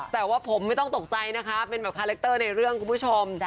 แต่ว่าผมไม่ต้องตกใจนะคะเป็นแบบคาแรคเตอร์ในเรื่องคุณผู้ชม